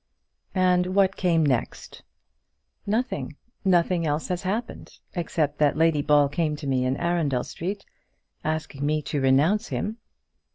"And what came next?" "Nothing. Nothing else has happened, except that Lady Ball came to me in Arundel Street, asking me to renounce him."